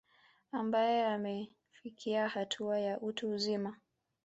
Ambae amefikia hatua ya utu uzima